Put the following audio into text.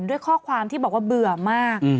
ด้วยข้อความที่บอกว่าเบื่อมาก